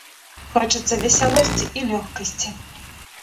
Хочацца весялосці і лёгкасці.